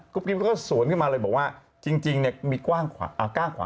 กุ๊บกิ๊บก็สวนขึ้นมาเลยบอกว่าจริงมีกล้าขวางคอ